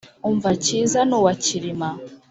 umva cyiza ni uwa cyilima